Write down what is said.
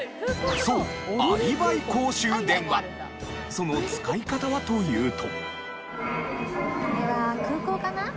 その使い方はというと。